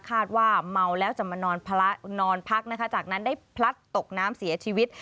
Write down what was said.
ว่าเมาแล้วจะมานอนพักนะคะจากนั้นได้พลัดตกน้ำเสียชีวิต